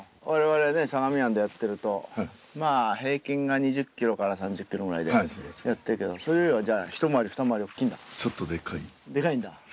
われわれね相模湾でやってるとまあ平均が２０ｋｇから３０ｋｇぐらいでやってるけどそれよりはじゃあ一回り二回り大っきいんだ？